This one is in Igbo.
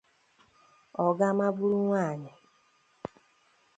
ọ gaa maburu nwaanyị